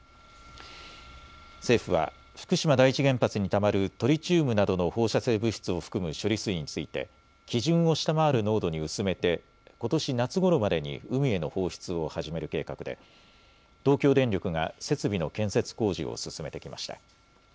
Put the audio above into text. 政府は福島第一原発にたまるトリチウムなどの放射性物質を含む処理水について基準を下回る濃度に薄めてことし夏ごろまでに海への放出を始める計画で東京電力が設備の建設工事を進めてきました。